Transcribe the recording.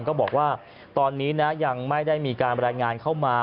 ก็บอกว่าตอนนี้นะยังไม่ได้มีการบรรยายงานเข้ามา